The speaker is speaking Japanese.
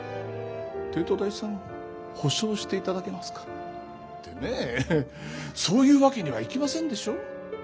帝都大さん補償していただけますかってねぇそういうわけにはいきませんでしょう？